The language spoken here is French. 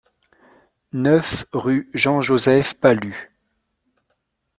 neuf rue Jean Joseph Pallu